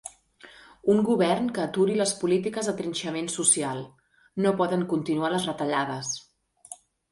Un govern que aturi les polítiques de trinxament social; no poden continuar les retallades.